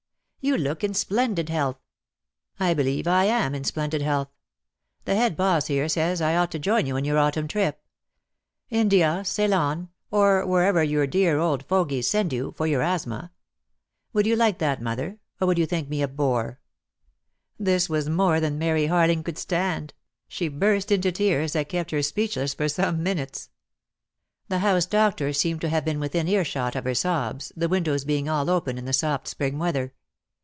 "You look in splendid health." "I believe I am in splendid health. The head boss here says I ought to join you in your autumn trip — India, Ceylon, or wherever your dear old fogies send you, for your asthma. Would you like that, mother, or would you think me a bore?" This was more than Mary Harling could stand. She burst into tears, that kept her speechless for some minutes. 7* lOO DEAD LOVE HAS CHAINS. The house doctor seemed to have been within earshot of her sobs, the windows being all open in the soft spring weather.